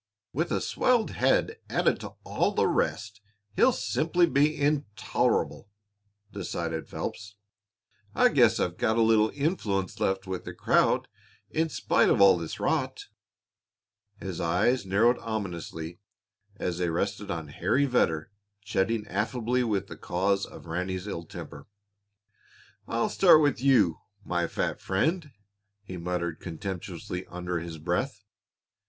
"With a swelled head added to all the rest, he'll be simply intolerable," decided Phelps. "I guess I've got a little influence left with the crowd in spite of all this rot." His eyes narrowed ominously as they rested on Harry Vedder chatting affably with the cause of Ranny's ill temper. "I'll start with you, my fat friend," he muttered contemptuously under his breath.